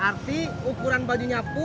kamu ikutuff bintang siapa